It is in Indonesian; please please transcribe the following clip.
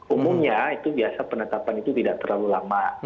umumnya itu biasa penetapan itu tidak terlalu lama